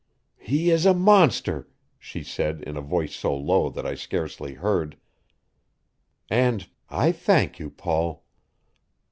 "He is a monster," she said in a voice so low that I scarcely heard, "and I thank you, Paul."